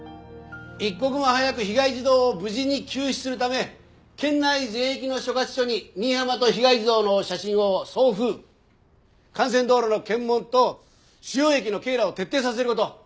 一刻も早く被害児童を無事に救出するため県内全域の所轄署に新浜と被害児童の写真を送付幹線道路の検問と主要駅の警邏を徹底させる事。